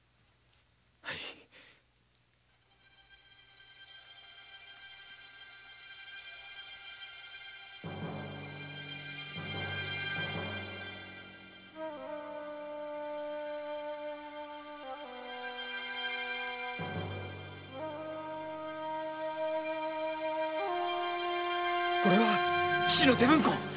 あッこれは父の手文庫！？